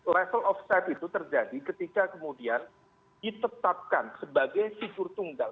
level of side itu terjadi ketika kemudian ditetapkan sebagai figur tunggal